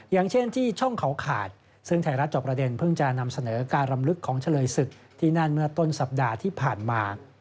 อย่างเช่นที่ช่องเขาขาดซึ่งไทยรัฐจอบประเด็นเพิ่งจะนำเสนอการรำลึกของเฉลยศึกที่นั่นเมื่อต้นสัปดาห์ที่ผ่านมา